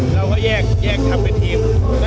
เราก็แยกทำเป็นทีม